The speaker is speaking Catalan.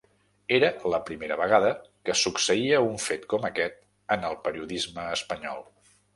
Era la primera vegada que succeïa un fet com aquest en el periodisme espanyol.